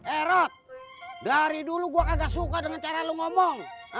eh rod dari dulu gue kagak suka dengan cara lo ngomong